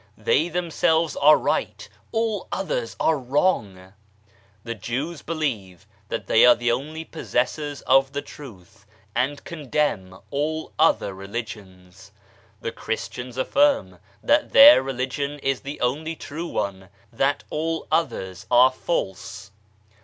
They themselves are right, all others are wrong ! The Jews believe that they are the only possessors of the Truth and condemn al) other Religions. The Christians affirm that their Religion is the only true one, that all others are false.